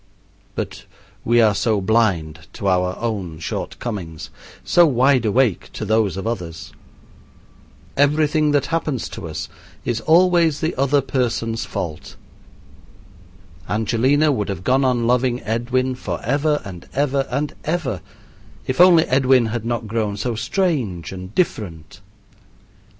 But we are so blind to our own shortcomings, so wide awake to those of others. Everything that happens to us is always the other person's fault. Angelina would have gone on loving Edwin forever and ever and ever if only Edwin had not grown so strange and different.